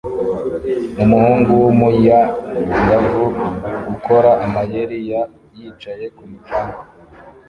Umuhungu wumuyangavu ukora amayeri ya yicaye kumu canga